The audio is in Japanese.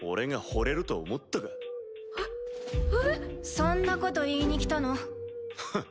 そんなこと言いに来たの？ふん。